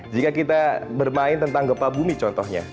jika kita bermain tentang gempa bumi contohnya